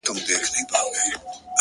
راته شعرونه ښكاري ـ